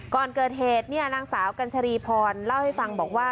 ก่อนเกิดเหตุเนี่ยนางสาวกัญชรีพรเล่าให้ฟังบอกว่า